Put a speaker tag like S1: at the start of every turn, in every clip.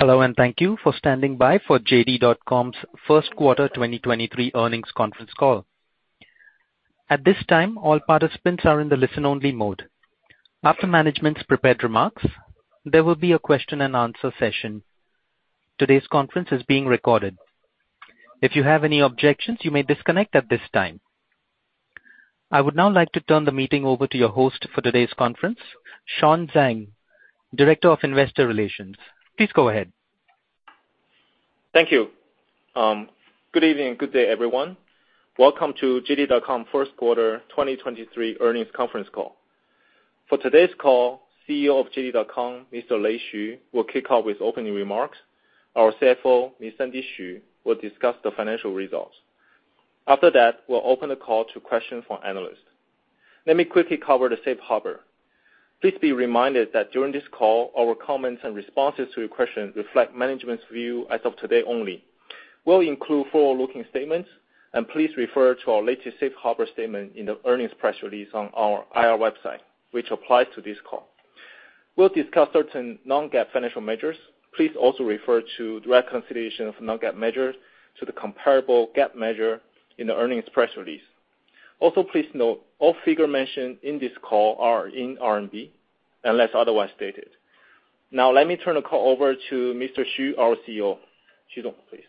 S1: Hello. Thank you for standing by for JD.com's first quarter 2023 earnings conference call. At this time, all participants are in the listen only mode. After management's prepared remarks, there will be a question and answer session. Today's conference is being recorded. If you have any objections, you may disconnect at this time. I would now like to turn the meeting over to your host for today's conference, Sean Zhang, Director of Investor Relations. Please go ahead.
S2: Thank you. Good evening and good day, everyone. Welcome to JD.com first quarter 2023 earnings conference call. For today's call, CEO of JD.com, Mr. Lei Xu, will kick off with opening remarks. Our CFO, Sandy Xu, will discuss the financial results. After that, we'll open the call to questions from analysts. Let me quickly cover the safe harbor. Please be reminded that during this call, our comments and responses to your questions reflect management's view as of today only. We'll include forward-looking statements and please refer to our latest safe harbor statement in the earnings press release on our IR website, which applies to this call. We'll discuss certain non-GAAP financial measures. Please also refer to the reconciliation of non-GAAP measures to the comparable GAAP measure in the earnings press release. Please note, all figure mentioned in this call are in RMB unless otherwise stated. Let me turn the call over to Mr. Xu, our CEO. Xu Dong, please.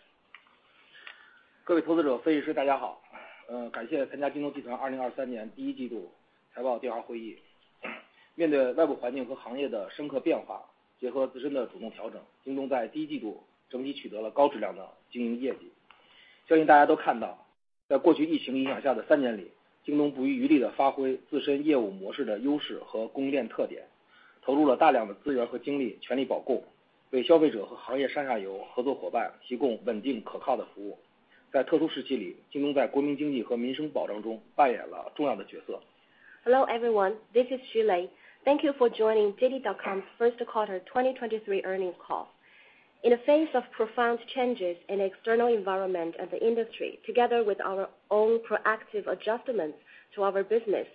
S3: Hello, everyone. This is Xu Lei. Thank you for joining JD.com's first quarter 2023 earnings call. In the face of profound changes in external environment and the industry, together with our own proactive adjustments to our business,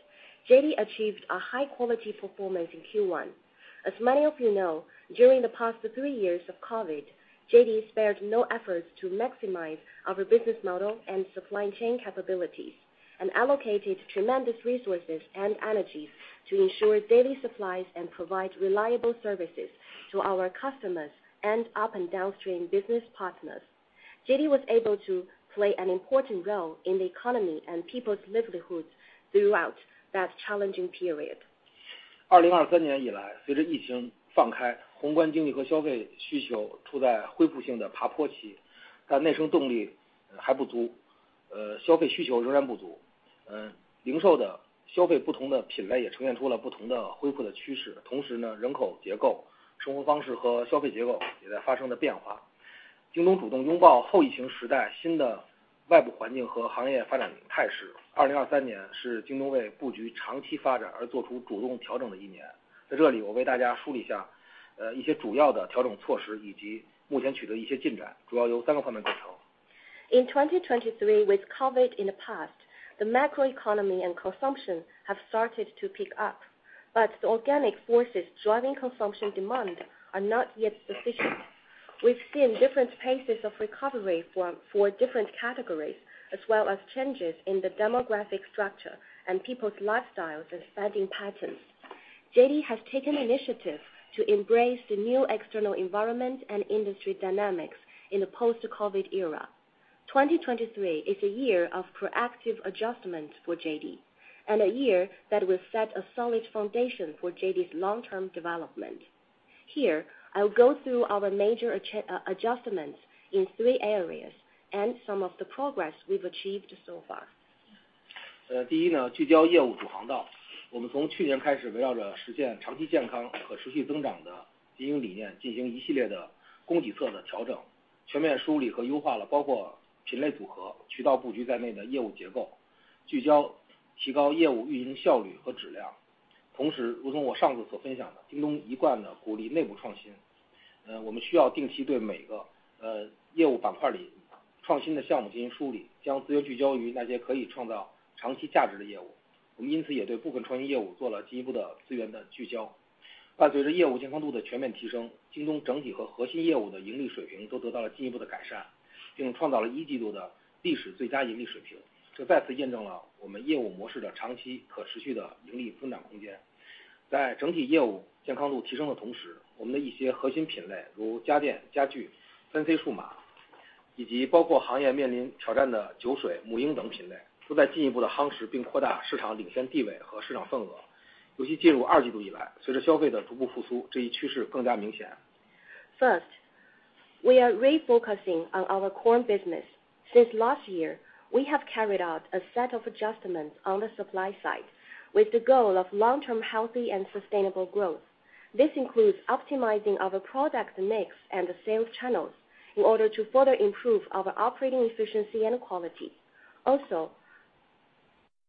S3: JD achieved a high quality performance in Q1. As many of you know, during the past 3 years of COVID, JD spared no efforts to maximize our business model and supply chain capabilities and allocated tremendous resources and energy to ensure daily supplies and provide reliable services to our customers and up and downstream business partners. JD was able to play an important role in the economy and people's livelihoods throughout that challenging period. In 2023 with COVID in the past, the macroeconomy and consumption have started to pick up, but the organic forces driving consumption demand are not yet sufficient. We've seen different paces of recovery for different categories, as well as changes in the demographic structure and people's lifestyles and spending patterns. JD has taken initiative to embrace the new external environment and industry dynamics in the post-COVID era. 2023 is a year of proactive adjustment for JD and a year that will set a solid foundation for JD's long-term development. Here, I'll go through our major adjustments in three areas and some of the progress we've achieved so far. First, we are refocusing on our core business. Since last year, we have carried out a set of adjustments on the supply side with the goal of long-term healthy and sustainable growth. This includes optimizing our product mix and the sales channels in order to further improve our operating efficiency and quality.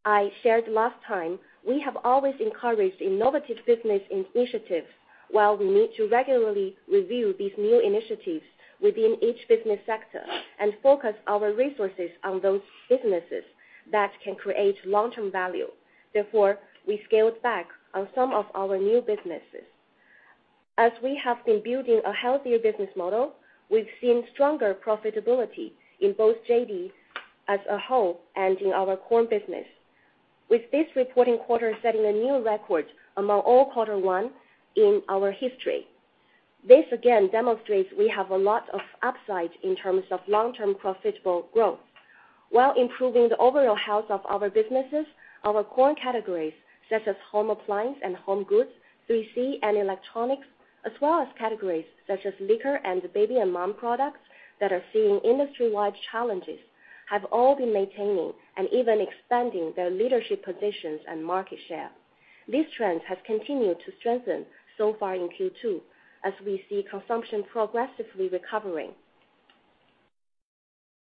S3: I shared last time, we have always encouraged innovative business initiatives, while we need to regularly review these new initiatives within each business sector and focus our resources on those businesses that can create long-term value. We scaled back on some of our new businesses. As we have been building a healthier business model, we've seen stronger profitability in both JD as a whole and in our core business. With this reporting quarter setting a new record among all quarter one in our history. This again demonstrates we have a lot of upside in terms of long-term profitable growth while improving the overall health of our businesses, our core categories such as home appliance and home goods, 3C and electronics, as well as categories such as liquor and baby and mom products that are seeing industry-wide challenges have all been maintaining and even expanding their leadership positions and market share. This trend has continued to strengthen so far in Q2 as we see consumption progressively recovering.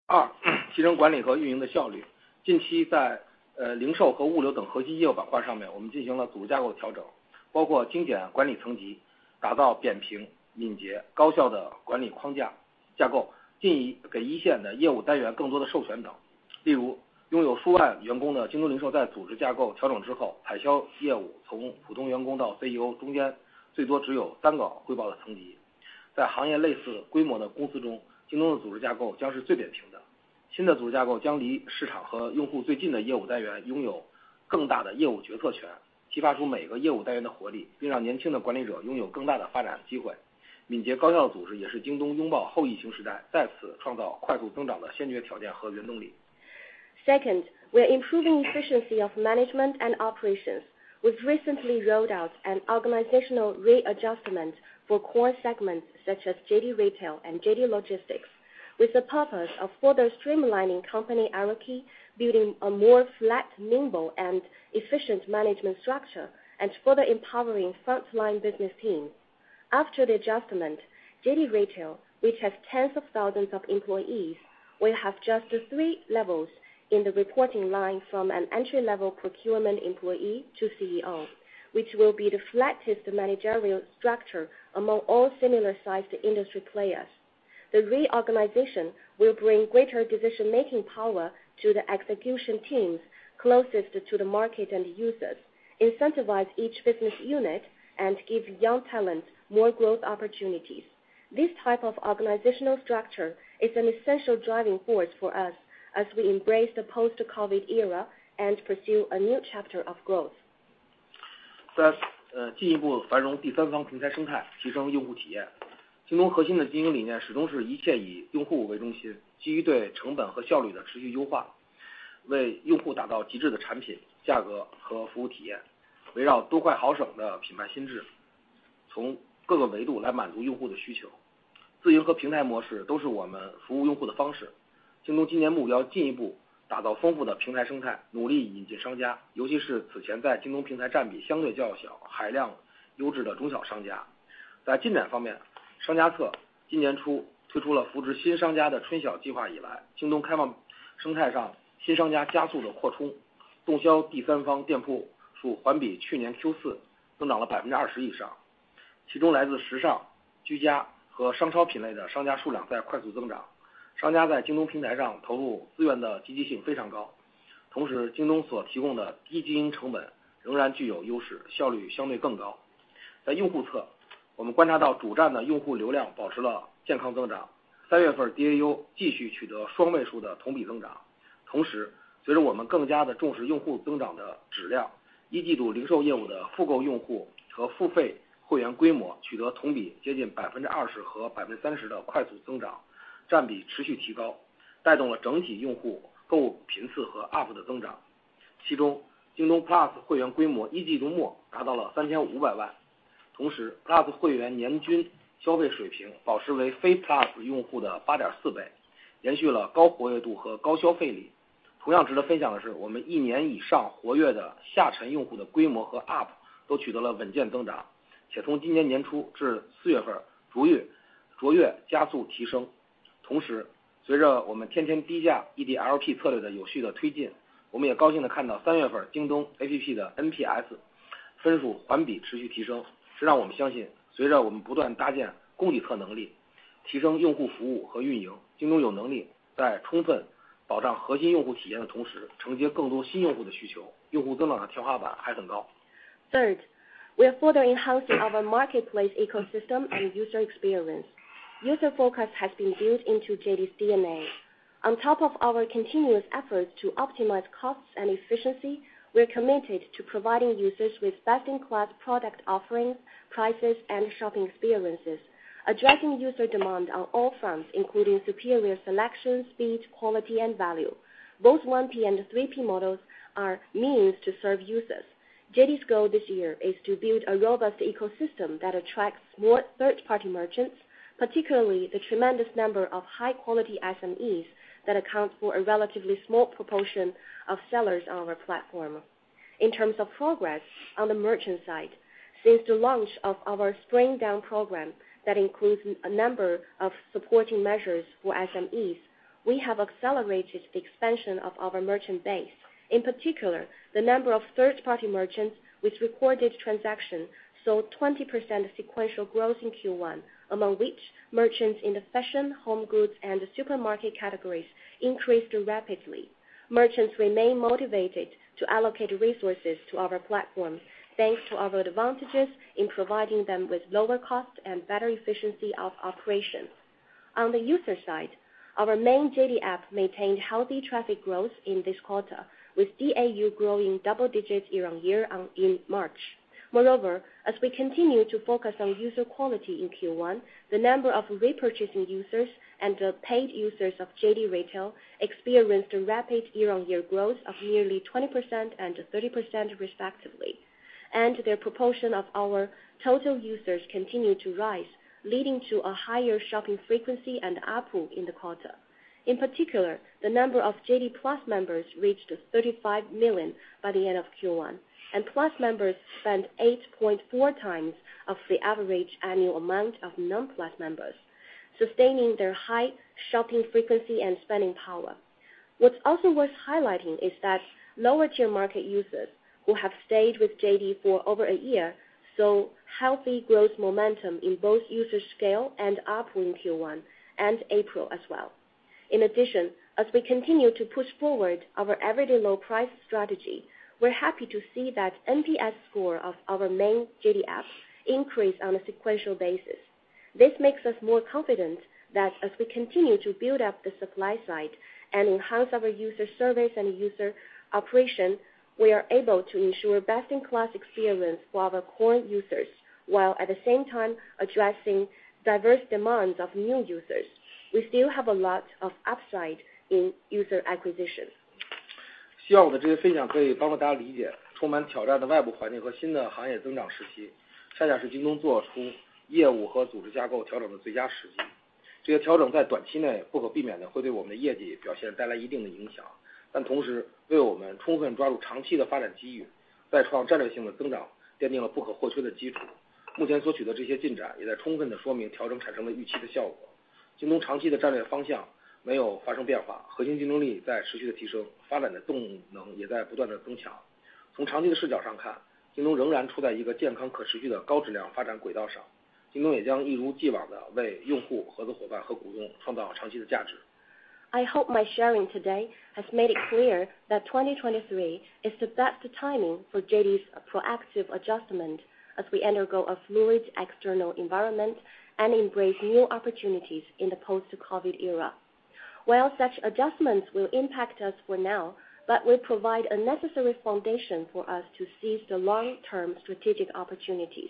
S3: 二， 提升管理和运营的效率。近期在 呃， 零售和物流等核心业务板块上 面， 我们进行了组织架构调 整， 包括精简管理层 级， 打造扁平、敏捷、高效的管理框架架 构， 进一给一线的业务单元更多的授权等。例 如， 拥有数万员工的京东零售在组织架构调整之 后， 采销业务从普通员工到 CEO 中间最多只有三个汇报的层级。在行业类似规模的公司 中， 京东的组织架构将是最扁平 的， 新的组织架构将离市场和用户最近的业务单元拥有更大的业务决策 权， 激发出每个业务单元的活 力， 并让年轻的管理者拥有更大的发展机会。敏捷高效的组织也是京东拥抱后疫情时 代， 再次创造快速增长的先决条件和原动力。Second, we are improving efficiency of management and operations. We've recently rolled out an organizational readjustment for core segments such as JD Retail and JD Logistics, with the purpose of further streamlining company hierarchy, building a more flat, nimble and efficient management structure, and further empowering frontline business teams. After the adjustment, JD Retail, which has tens of thousands of employees, will have just 3 levels in the reporting line, from an entry level procurement employee to CEO, which will be the flattest managerial structure among all similar sized industry players. The reorganization will bring greater decision making power to the execution teams closest to the 市场和 users, incentivize each business unit and give young talent more growth opportunities. This type of organizational structure is an essential driving force for us as we embrace the post-COVID era and pursue a new chapter of growth. 三， 呃， 进一步繁荣第三方平台生 态， 提升用户体验。京东核心的经营理念始终是一切以用户为中 心， 基于对成本和效率的持续优 化， 为用户打造极致的产品、价格和服务体验。围绕多快好省的品牌心 智， 从各个维度来满足用户的需求。自营和平台模式都是我们服务用户的方式。京东今年目标进一步打造丰富的平台生 态， 努力引进商 家， 尤其是此前在京东平台占比相对较 小， 海量优质的中小商家。在进展方 面， 商家侧今年初推出了扶持新商家的春晓计划以 来， 京东开放生态上新商家加速了扩 充， 动销第三方店铺数环比去年 Q4 增长了百分之二十以 上， 其中来自时尚、居家和商超品类的商家数量在快速增长。商家在京东平台上投入资源的积极性非常高。同 时， 京东所提供的低经营成本仍然具有优 势， 效率相对更高。在用户 侧， 我们观察 到， 主站的用户流量保持了健康增长。三月份 DAU 继续取得双位数的同比增长。同 时， 随着我们更加地重视用户增长的质 量， 一季度零售业务的复购用户和付费会员规模取得同比接近百分之二十和百分之三十的快速增长，占比持续提 高， 带动了整体用户购物频次和 ARPU 的增长。其中京东 Plus 会员规模一季度末达到了三千五百 万， 同时 Plus 会员年均消费水平保持为非 Plus 用户的八点四 倍， 延续了高活跃度和高消费力。同样值得分享的 是， 我们一年以上活跃的下沉用户的规模和 ARPU 都取得了稳健增 长， 且从今年年初至四月份逐月卓越加速提升。同 时， 随着我们天天低价 EDLP 策略的有序地推 进， 我们也高兴地看 到， 三月份京东 APP 的 NPS 分数环比持续提 升， 这让我们相 信， 随着我们不断搭建供给侧能 力， 提升用户服务和运 营， 京东有能力在充分保障核心用户体验的同 时， 承接更多新用户的需求。用户增长的天花板还很高。Third, we are further enhancing our marketplace ecosystem and user experience. User focus has been built into JD's DNA. On top of our continuous efforts to optimize costs and efficiency, we are committed to providing users with best in class product offerings, prices and shopping experiences, addressing user demand on all fronts, including superior selection, speed, quality and value. Both 1P and 3P models are means to serve users. JD's goal this year is to build a robust ecosystem that attracts more third party merchants, particularly the tremendous number of high quality SMEs that account for a relatively small proportion of sellers on our platform. In terms of progress on the merchant side, since the launch of our Spring Dawn program that includes a number of supporting measures for SMEs, we have accelerated the expansion of our merchant base. In particular, the number of third party merchants with recorded transactions saw 20% sequential growth in Q1, among which merchants in the fashion, home goods and supermarket categories increased rapidly. Merchants remain motivated to allocate resources to our platform, thanks to our advantages in providing them with lower costs and better efficiency of operations. On the user side, our main JD app maintained healthy traffic growth in this quarter, with DAU growing double digits year-on-year in March. Moreover, as we continue to focus on user quality in Q1, the number of repurchasing users and the paid users of JD Retail experienced a rapid year-on-year growth of nearly 20% and 30% respectively, and their proportion of our total users continued to rise, leading to a higher shopping frequency and ARPU in the quarter. In particular, the number of JD PLUS members reached 35 million by the end of Q1. Plus members spent 8.4 times of the average annual amount of non-PLUS members, sustaining their high shopping frequency and spending power. What's also worth highlighting is that lower-tier market users who have stayed with JD for over a year saw healthy growth momentum in both user scale and ARPU in Q1 and April as well. As we continue to push forward our everyday low price strategy, we're happy to see that NPS score of our main JD app increase on a sequential basis. This makes us more confident that as we continue to build up the supply side and enhance our user service and user operation, we are able to ensure best-in-class experience for our core users, while at the same time addressing diverse demands of new users. We still have a lot of upside in user acquisition. I hope my sharing today has made it clear that 2023 is the best timing for JD's proactive adjustment as we undergo a fluid external environment and embrace new opportunities in the post-COVID era. While such adjustments will impact us for now, but will provide a necessary foundation for us to seize the long-term strategic opportunities.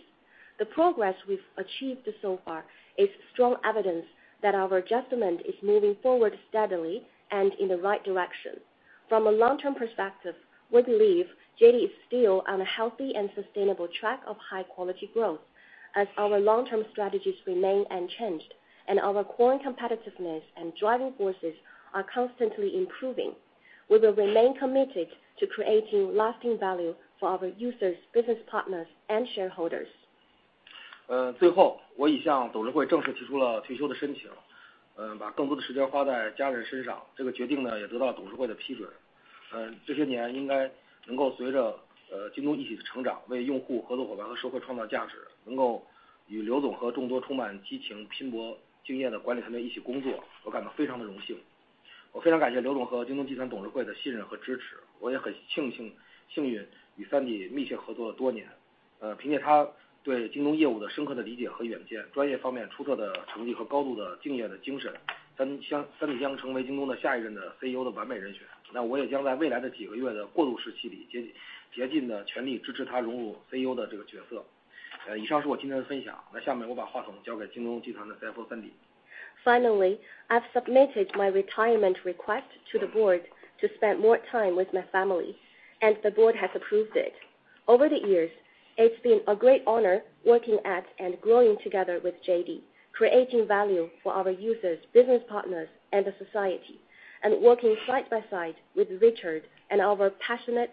S3: The progress we've achieved so far is strong evidence that our adjustment is moving forward steadily and in the right direction. From a long-term perspective, we believe JD is still on a healthy and sustainable track of high-quality growth as our long-term strategies remain unchanged and our core competitiveness and driving forces are constantly improving. We will remain committed to creating lasting value for our users, business partners, and shareholders. Finally, I've submitted my retirement request to the board to spend more time with my family, and the board has approved it. Over the years, it's been a great honor working at and growing together with JD, creating value for our users, business partners, and the society, and working side by side with Richard and our passionate,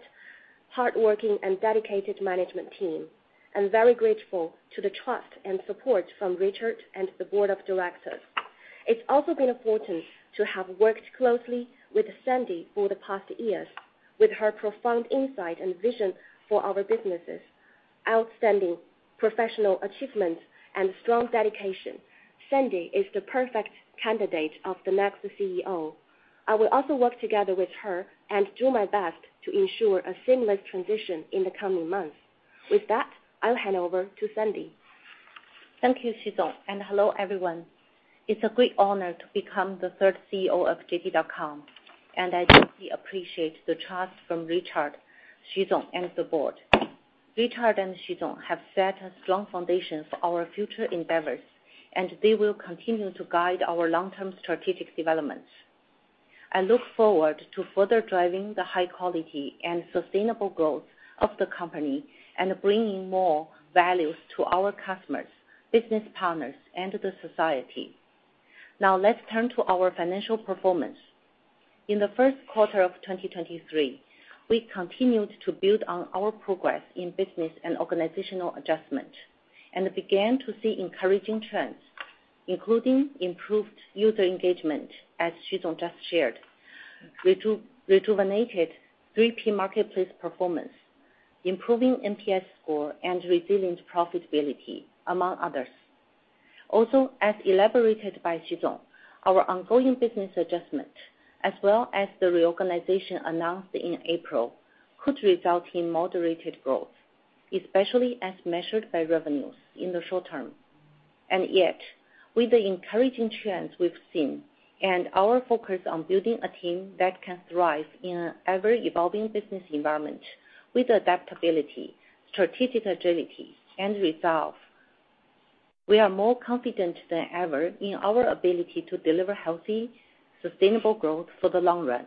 S3: hardworking, and dedicated management team. I'm very grateful to the trust and support from Richard and the board of directors. It's also been important to have worked closely with Sandy over the past years. With her profound insight and vision for our businesses, outstanding professional achievements, and strong dedication, Sandy is the perfect candidate of the next CEO. I will also work together with her and do my best to ensure a seamless transition in the coming months. With that, I'll hand over to Sandy.
S4: Thank you, Xizong, and hello, everyone. It's a great honor to become the third CEO of JD.com, and I deeply appreciate the trust from Richard, Xizong, and the board. Richard and Xizong have set a strong foundation for our future endeavors, and they will continue to guide our long-term strategic developments. I look forward to further driving the high quality and sustainable growth of the company and bringing more values to our customers, business partners, and the society. Now let's turn to our financial performance. In the first quarter of 2023, we continued to build on our progress in business and organizational adjustment and began to see encouraging trends, including improved user engagement, as Xizong just shared, rejuvenated 3P marketplace performance, improving NPS score, and resilient profitability, among others. As elaborated by Xizong, our ongoing business adjustment, as well as the reorganization announced in April, could result in moderated growth, especially as measured by revenues in the short term. With the encouraging trends we've seen and our focus on building a team that can thrive in an ever-evolving business environment with adaptability, strategic agility, and resolve, we are more confident than ever in our ability to deliver healthy, sustainable growth for the long run.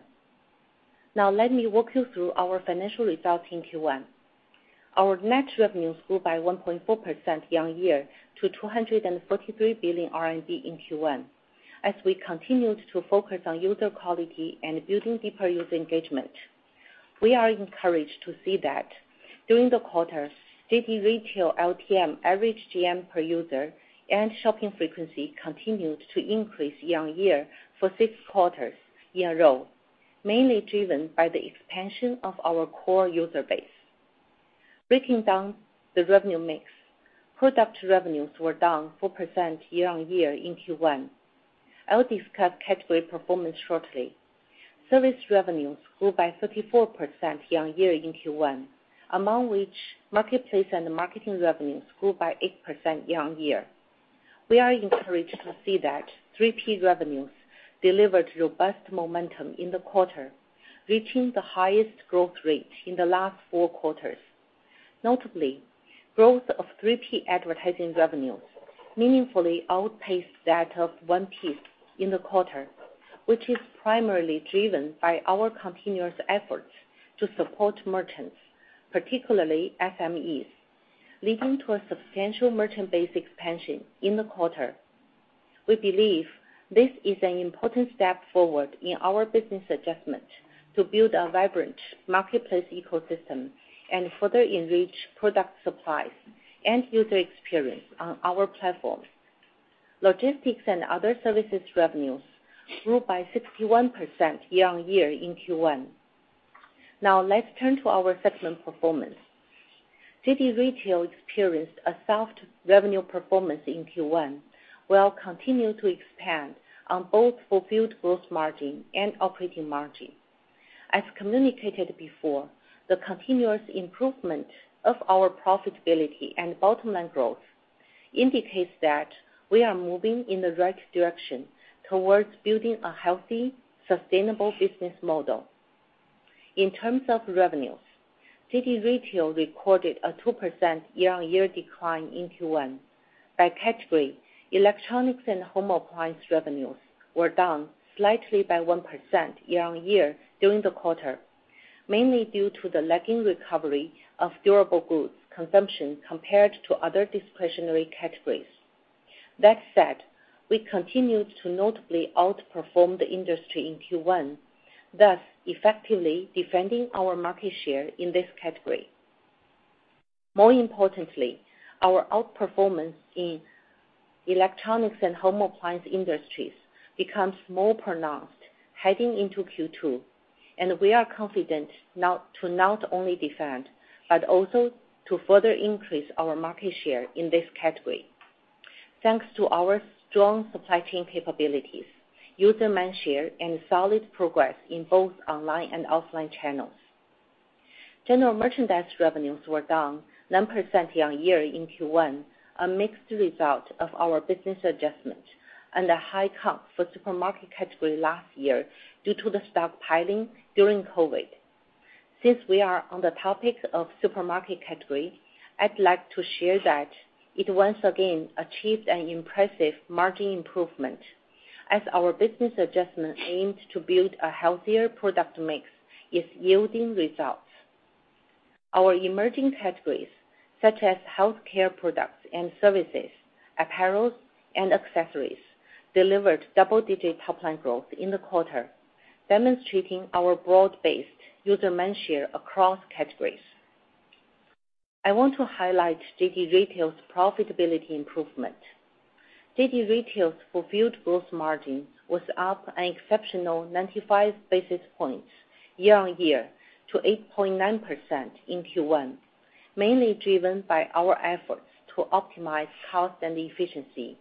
S4: Let me walk you through our financial results in Q1. Our net revenues grew by 1.4% year-on-year to 243 billion RMB in Q1. We continued to focus on user quality and building deeper user engagement. We are encouraged to see that during the quarter, JD Retail LTM average GM per user and shopping frequency continued to increase year-on-year for 6 quarters in a row, mainly driven by the expansion of our core user base. Breaking down the revenue mix, product revenues were down 4% year-on-year in Q1. I'll discuss category performance shortly. Service revenues grew by 34% year-on-year in Q1, among which marketplace and marketing revenues grew by 8% year-on-year. We are encouraged to see that 3P revenues delivered robust momentum in the quarter, reaching the highest growth rate in the last 4 quarters. Notably, growth of 3P advertising revenues meaningfully outpaced that of 1P in the quarter, which is primarily driven by our continuous efforts to support merchants, particularly SMEs, leading to a substantial merchant base expansion in the quarter. We believe this is an important step forward in our business adjustment to build a vibrant marketplace ecosystem and further enrich product supplies and user experience on our platform. Logistics and other services revenues grew by 61% year-on-year in Q1. Now, let's turn to our segment performance. JD Retail experienced a soft revenue performance in Q1, while continuing to expand on both fulfilled gross margin and operating margin. As communicated before, the continuous improvement of our profitability and bottom line growth indicates that we are moving in the right direction towards building a healthy, sustainable business model. In terms of revenues, JD Retail recorded a 2% year-on-year decline in Q1. By category, electronics and home appliance revenues were down slightly by 1% year-on-year during the quarter, mainly due to the lagging recovery of durable goods consumption compared to other discretionary categories. That said, we continued to notably outperform the industry in Q1, thus effectively defending our market share in this category. More importantly, our outperformance in electronics and home appliance industries becomes more pronounced heading into Q2, and we are confident to not only defend, but also to further increase our market share in this category. Thanks to our strong supply chain capabilities, user mindshare, and solid progress in both online and offline channels. General merchandise revenues were down 9% year-on-year in Q1, a mixed result of our business adjustment and a high comp for supermarket category last year due to the stockpiling during COVID. Since we are on the topic of supermarket category, I'd like to share that it once again achieved an impressive margin improvement as our business adjustment aimed to build a healthier product mix is yielding results. Our emerging categories, such as healthcare products and services, apparels, and accessories, delivered double-digit top line growth in the quarter, demonstrating our broad-based user mindshare across categories. I want to highlight JD Retail's profitability improvement. JD Retail's fulfilled gross margin was up an exceptional 95 basis points year-on-year to 8.9% in Q1, mainly driven by our efforts to optimize cost and efficiency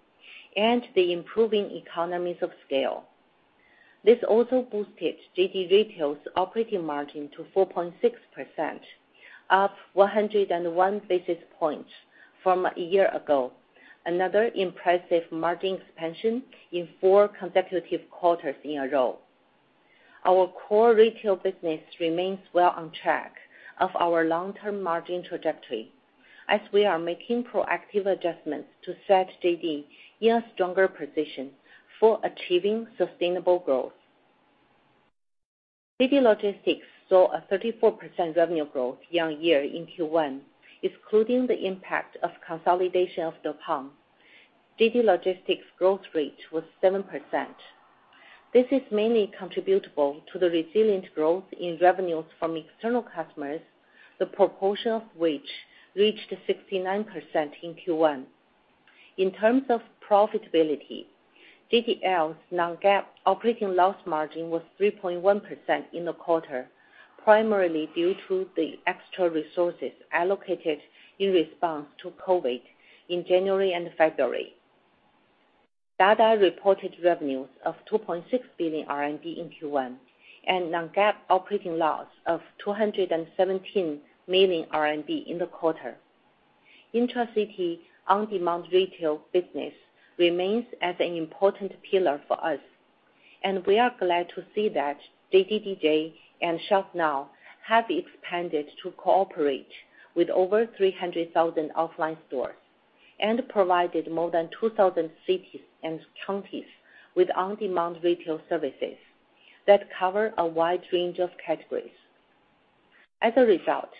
S4: and the improving economies of scale. This also boosted JD Retail's operating margin to 4.6%, up 101 basis points from a year ago. Another impressive margin expansion in four consecutive quarters in a row. Our core retail business remains well on track of our long-term margin trajectory as we are making proactive adjustments to set JD in a stronger position for achieving sustainable growth. JD Logistics saw a 34% revenue growth year-on-year in Q1. Excluding the impact of consolidation of Deppon, JD Logistics growth rate was 7%. This is mainly contributable to the resilient growth in revenues from external customers, the proportion of which reached 69% in Q1. In terms of profitability, JDL's non-GAAP operating loss margin was 3.1% in the quarter, primarily due to the extra resources allocated in response to COVID in January and February. Dada reported revenues of 2.6 billion RMB in Q1 and non-GAAP operating loss of 217 million RMB in the quarter. Intracity on-demand retail business remains as an important pillar for us. We are glad to see that JD Daojia and Shop Now have expanded to cooperate with over 300,000 offline stores and provided more than 2,000 cities and counties with on-demand retail services that cover a wide range of categories. As a result,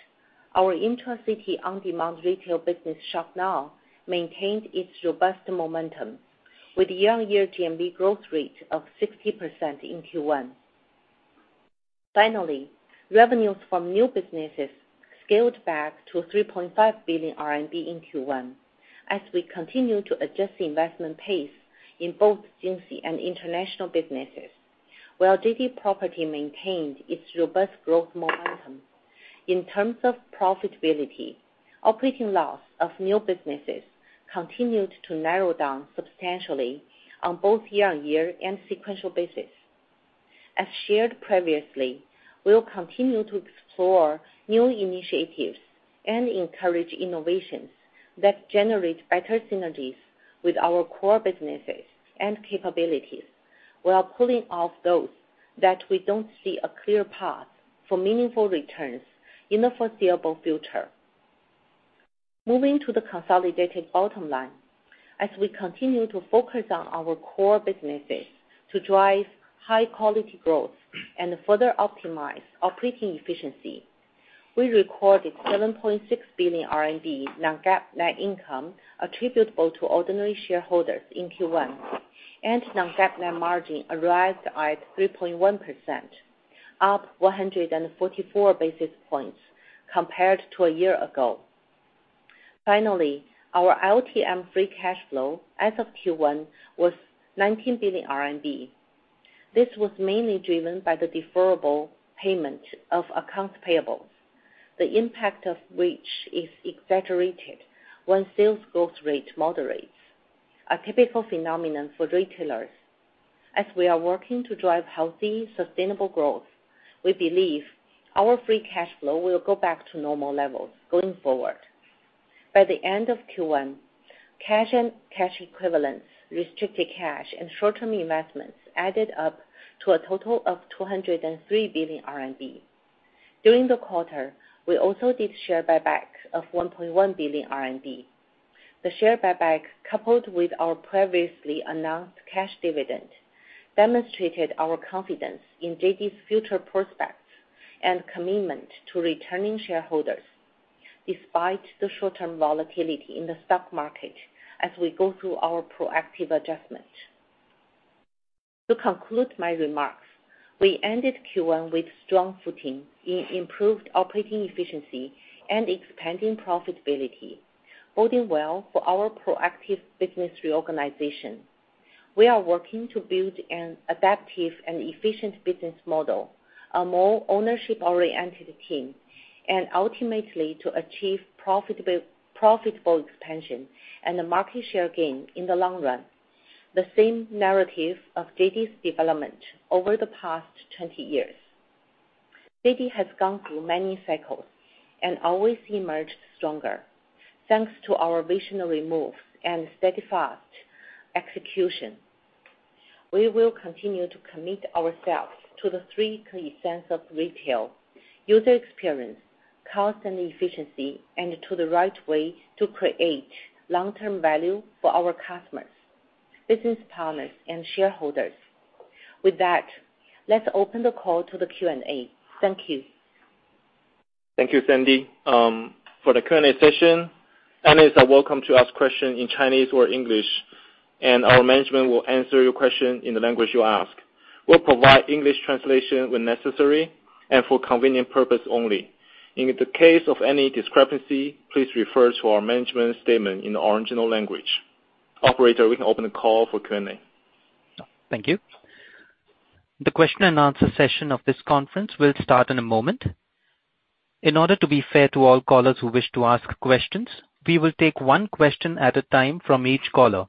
S4: our intracity on-demand retail business, Shop Now, maintained its robust momentum with year-on-year GMV growth rate of 60% in Q1. Finally, revenues from new businesses scaled back to 3.5 billion RMB in Q1 as we continue to adjust the investment pace in both Jingxi and international businesses, while JD Property maintained its robust growth momentum. In terms of profitability, operating loss of new businesses continued to narrow down substantially on both year-on-year and sequential basis. As shared previously, we'll continue to explore new initiatives and encourage innovations that generate better synergies with our core businesses and capabilities. We are pulling off those that we don't see a clear path for meaningful returns in the foreseeable future. Moving to the consolidated bottom line. As we continue to focus on our core businesses to drive high-quality growth and further optimize operating efficiency, we recorded 7.6 billion RMB non-GAAP net income attributable to ordinary shareholders in Q1. Non-GAAP net margin arrived at 3.1%, up 144 basis points compared to a year ago. Finally, our LTM free cash flow as of Q1 was 19 billion RMB. This was mainly driven by the deferrable payment of accounts payables, the impact of which is exaggerated when sales growth rate moderates, a typical phenomenon for retailers. As we are working to drive healthy, sustainable growth, we believe our free cash flow will go back to normal levels going forward. By the end of Q1, cash and cash equivalents, restricted cash and short-term investments added up to a total of 203 billion RMB. During the quarter, we also did share buyback of 1.1 billion RMB. The share buyback, coupled with our previously announced cash dividend, demonstrated our confidence in JD's future prospects and commitment to returning shareholders despite the short-term volatility in the stock market as we go through our proactive adjustment. To conclude my remarks, we ended Q1 with strong footing in improved operating efficiency and expanding profitability, boding well for our proactive business reorganization. We are working to build an adaptive and efficient business model, a more ownership-oriented team, and ultimately to achieve profitable expansion and a market share gain in the long run. The same narrative of JD's development over the past 20 years. JD has gone through many cycles and always emerged stronger. Thanks to our visionary moves and steadfast execution. We will continue to commit ourselves to the 3 key sense of retail: user experience, cost and efficiency, and to the right way to create long-term value for our customers, business partners, and shareholders. With that, let's open the call to the Q&A. Thank you.
S2: Thank you, Sandy. For the Q&A session, analysts are welcome to ask question in Chinese or English, and our management will answer your question in the language you ask. We'll provide English translation when necessary and for convenient purpose only. In the case of any discrepancy, please refer to our management statement in the original language. Operator, we can open the call for Q&A.
S1: Thank you. The question and answer session of this conference will start in a moment. In order to be fair to all callers who wish to ask questions, we will take one question at a time from each caller.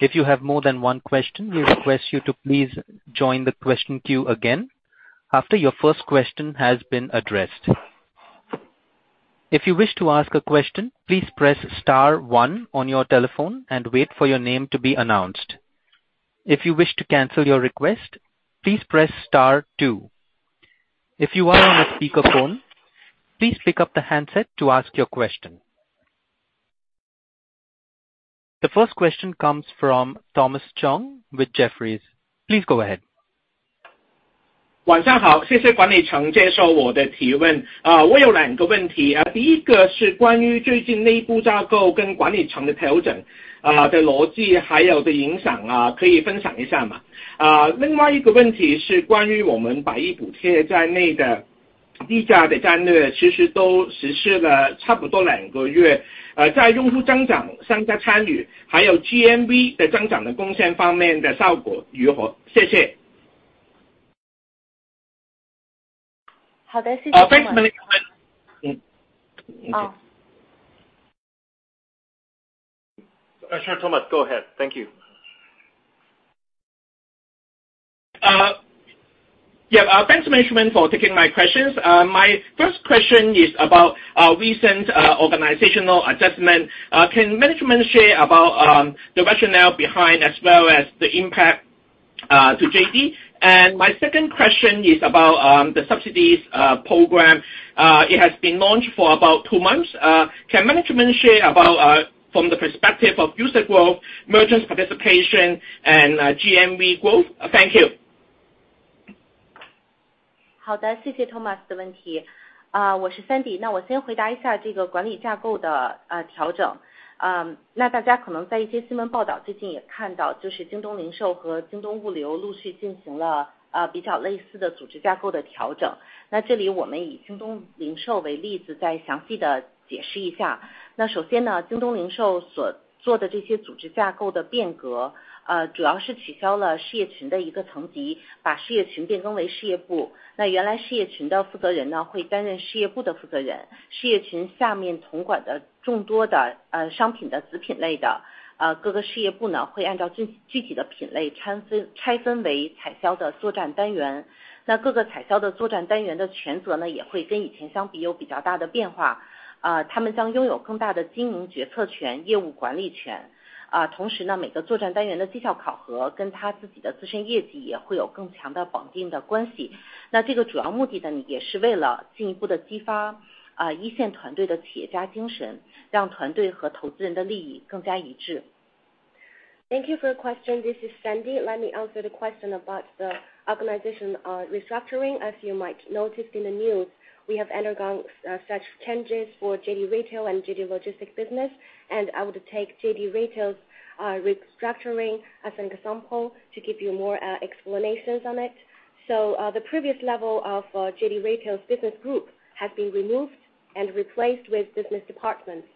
S1: If you have more than one question, we request you to please join the question queue again after your first question has been addressed. If you wish to ask a question, please press star one on your telephone and wait for your name to be announced. If you wish to cancel your request, please press star two. If you are on a speakerphone, please pick up the handset to ask your question. The first question comes from Thomas Chong with Jefferies. Please go ahead.
S5: 低价的战略其实都实施了差不多2个 月， 在用户增长、商家参与还有 GMV 的增长的贡献方面的效果如何？谢谢。
S4: 好 的， 谢谢。
S5: Thanks。
S3: Thomas, go ahead. Thank you.
S5: Yeah, thanks management for taking my questions. My first question is about our recent organizational adjustment, can management share about the rationale behind as well as the impact to JD? My second question is about the subsidies program, it has been launched for about 2 months, can management share about from the perspective of user growth, merchants participation and GMV growth. Thank you.
S4: 好的，谢谢 Thomas 的问题。我是 Sandy。我先回答一下这个管理架构的调整。大家可能在一些新闻报道最近也看到，就是京东零售和京东物流陆续进行了比较类似的组织架构的调整。这里我们以京东零售为例子再详细地解释一下。首先呢，京东零售所做的这些组织架构的变革，主要是取消了事业群的一个层级，把事业群变更为事业部。原来事业群的负责人呢，会担任事业部的负责人，事业群下面统管的众多的商品的子品类的，各个事业部呢，会按照具体，具体的品类，拆分为采销的作战单元。各个采销的作战单元的权责呢，也会跟以前相比有比较大的变化，他们将拥有更大的经营决策权、业务管理权。同时呢，每个作战单元的绩效考核跟他自身的业绩也会有更强的绑定的关系。这个主要目的呢，也是为了进一步地激发一线团队的企业家精神，让团队和投资人的利益更加一致。Thank you for your question. This is Sandy. Let me answer the question about the organization restructuring. As you might notice in the news. We have undergone such changes for JD Retail and JD Logistics business. I would take JD Retail's restructuring as an example to give you more explanations on it. The previous level of JD Retail's business group has been removed and replaced with business departments.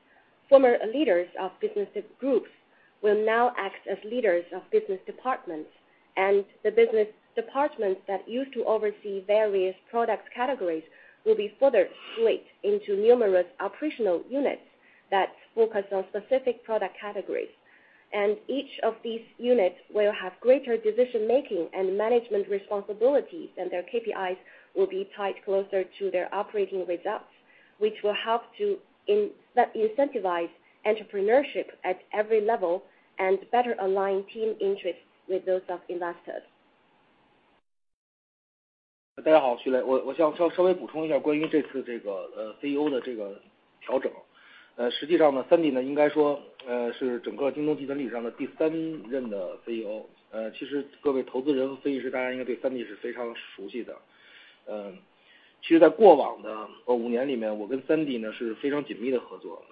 S4: Former leaders of business groups will now act as leaders of business departments. The business departments that used to oversee various product categories will be further split into numerous operational units that focus on specific product categories. Each of these units will have greater decision making and management responsibilities, and their KPIs will be tied closer to their operating results, which will help to incentivize entrepreneurship at every level and better align team interests with those of investors.
S3: 大家 好， Xu Lei， 我想稍微补充一 下， 关于这次这个 CEO 的这个调 整， 实际上 呢， Sandy Xu 呢， 应该说是整个 JD.com 历史上的第3任的 CEO。其实各位投资人和分析师大家应该对 Sandy Xu 是非常熟悉的。其实在过往的5年里 面， 我跟 Sandy Xu 呢是非常紧密的合作。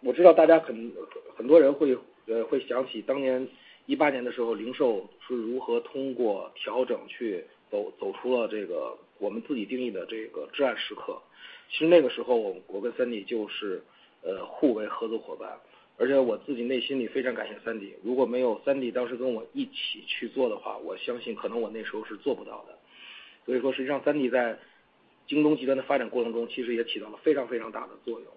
S3: 我知道大家很多人会想起当年2018年的时 候， 零售是如何通过调整去 走， 走出了这个我们自己定义的这个治安时刻。其实那个时候我跟 Sandy Xu 就是互为合作伙 伴， 而且我自己内心里非常感谢 Sandy Xu， 如果没有 Sandy Xu 当时跟我一起去做的 话， 我相信可能我那时候是做不到的。实际上 Sandy Xu 在 JD.com 的发展过程 中， 其实也起到了非常非常大的作用。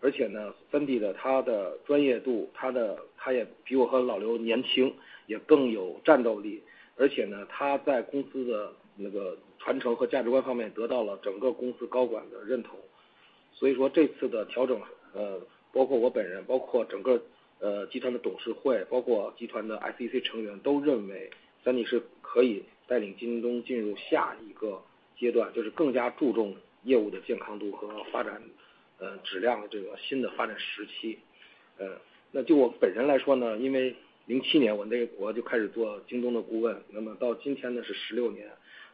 S3: 而且 呢， Sandy Xu 呢她的专业 度， 她 的， 她也比我和老刘年 轻， 也更有战斗力。而且 呢， 她在公司的那个传承和价值观方面得到了整个公司高管的认同。这次的调 整， 包括我本 人， 包括整个集团的董事 会， 包括集团的 ICC 成 员， 都认为 Sandy Xu 是可以带领 JD.com 进入下一个阶 段， 就是更加注重业务的健康度和发展质量的这个新的发展时期。那就我本人来说 呢， 因为2007年我那时候就开始做 JD.com 的顾 问， 那么到今天呢是16 年，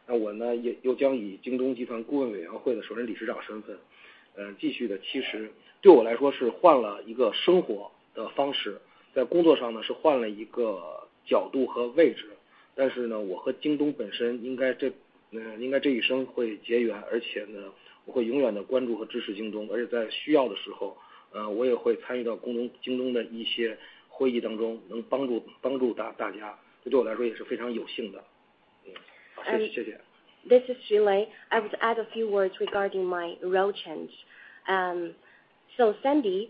S3: 那我呢也又将以 JD.com 顾问委员会的轮值董事长身份继续的其实对我来说是换了一个生活的方 式， 在工作上呢是换了一个角度和位置。但是 呢， 我和 JD.com 本身应该这一生会结 缘， 而且 呢， 我会永远地关注和支持 JD.com， 而且在需要的时 候， 我也会参与到 JD.com 的一些会议当 中， 能帮助大 家， 这对我来说也是非常有幸的。谢谢。This is Xu Lei. I would add a few words regarding my role change. Sandy,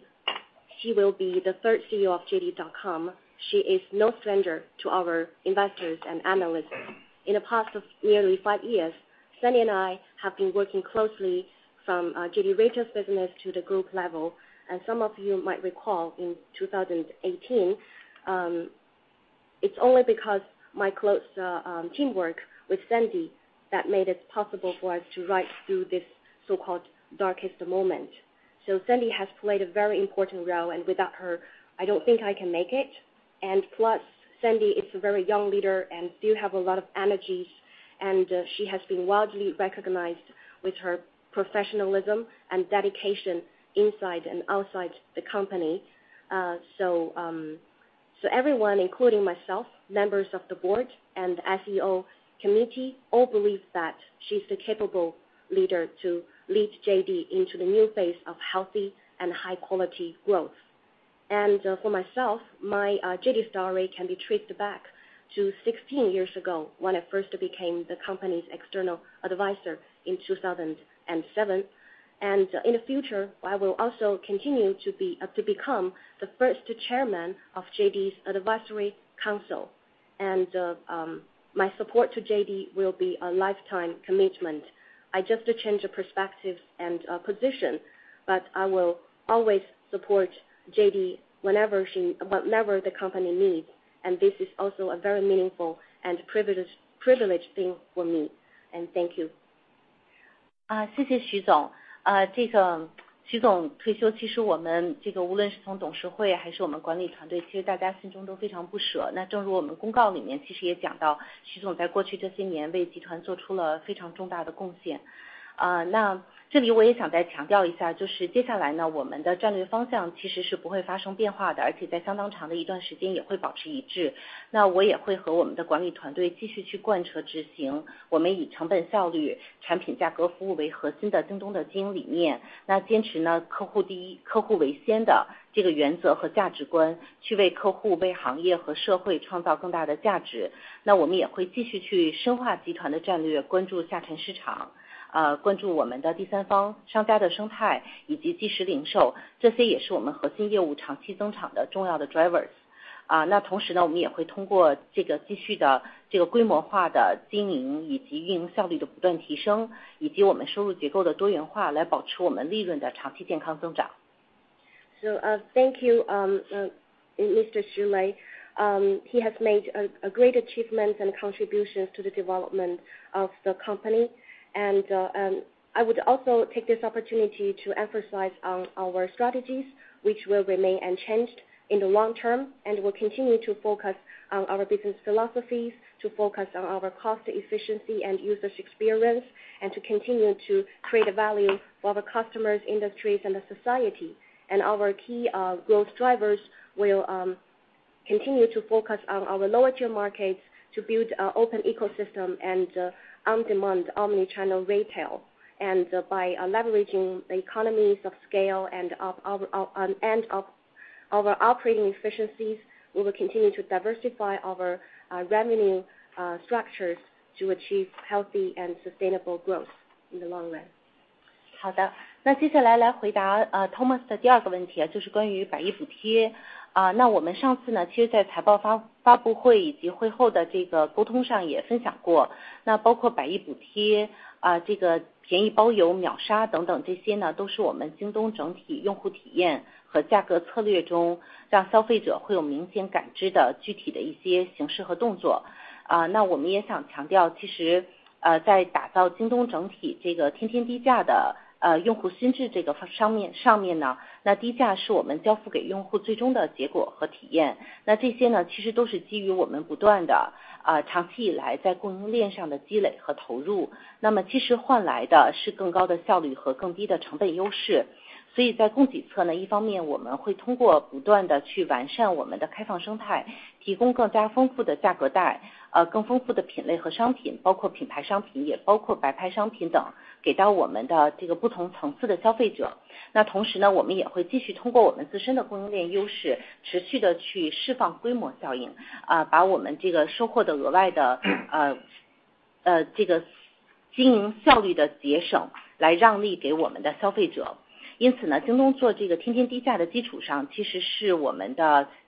S3: she will be the third CEO of JD.com. She is no stranger to our investors and analysts. In the past nearly 5 years, Sandy and I have been working closely from JD Retail business to the group level. Some of you might recall in 2018, it's only because my close teamwork with Sandy that made it possible for us to ride through this so called darkest moment. Sandy has played a very important role, and without her, I don't think I can make it. Plus Sandy is a very young leader and do have a lot of energies and she has been widely recognized with her professionalism and dedication inside and outside the company. Everyone, including myself, members of the board and SEO committee, all believe that she's the capable leader to lead JD into the new phase of healthy and high quality growth.
S4: For myself, my JD story can be traced back to 16 years ago when I first became the company's external advisor in 2007. In the future, I will also continue to become the first chairman of JD's advisory council, my support to JD will be a lifetime commitment. I just change a perspective and position, but I will always support JD whenever whatever the company needs. This is also a very meaningful and privileged thing for me. Thank you. 谢谢徐总。徐总退 休， 其实我们无论是从董事会还是我们管理团 队， 其实大家心中都非常不舍。正如我们公告里面其实也讲 到， 徐总在过去这些年为集团做出了非常重大的贡献。这里我也想再强调一 下， 就是接下 来， 我们的战略方向其实是不会发生变化 的， 而且在相当长的一段时间也会保持一致。我也会和我们的管理团队继续去贯彻执行我们以成本效率、产品价格、服务为核心的京东的经营理 念， 坚持客户第 一， 客户为先的原则和价值 观， 去为客户、为行业和社会创造更大的价值。我们也会继续去深化集团的战 略， 关注下沉市场，关注我们的第三方商家的生 态， 以及即时零 售， 这些也是我们核心业务长期增长的重要的 drivers。同 时， 我们也会通过继续的规模化的经 营， 以及运营效率的不断提 升， 以及我们收入结构的多元 化， 来保持我们利润的长期健康增长。Thank you, Mr. Xu Lei. He has made a great achievement and contributions to the development of the company. I would also take this opportunity to emphasize our strategies which will remain unchanged in the long term, and we'll continue to focus on our business philosophies, to focus on our cost efficiency and user experience, and to continue to create value for the customers, industries and the society. Our key growth drivers will continue to focus on our lower tier markets to build our open ecosystem and on demand omni-channel retail. By leveraging the economies of scale and of our operating efficiencies, we will continue to diversify our revenue structures to achieve healthy and sustainable growth in the long run. 好的，接下来来回答 Thomas 的第二个问题，就是关于百亿补贴.